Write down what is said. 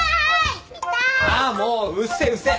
ああもううっせえうっせえ。